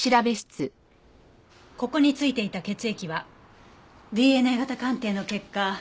ここに付いていた血液はＤＮＡ型鑑定の結果